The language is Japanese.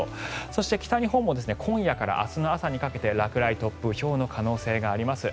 そして、北日本も今夜から明日の朝にかけて落雷、突風、ひょうの可能性があります。